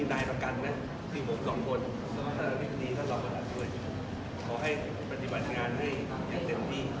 บอกคุณสองคนดีขอด้วยขอให้ปฎิบัติงานให้ดี